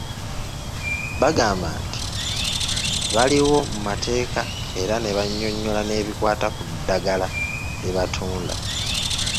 Bagamba nti baliwo mu mateeka era ne bannyonnyola n’ebikwata ku ddagala lye batunda.